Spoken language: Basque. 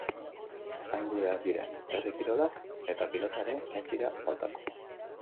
Hain gureak diren herri kirolak eta pilota ere ez dira faltako.